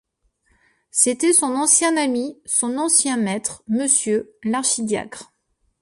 C’était son ancien ami, son ancien maître, Monsieur l’archidiacre.